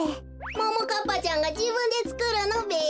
ももかっぱちゃんがじぶんでつくるのべ？